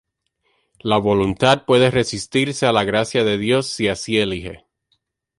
La voluntad puede resistirse a la gracia de Dios si así elige.